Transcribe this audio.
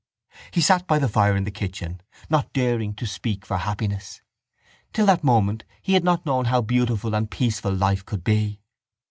He sat by the fire in the kitchen, not daring to speak for happiness. Till that moment he had not known how beautiful and peaceful life could be.